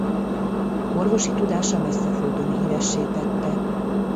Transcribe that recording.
Orvosi tudása messze földön híressé tette.